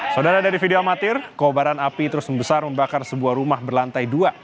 saudara dari video amatir kobaran api terus membesar membakar sebuah rumah berlantai dua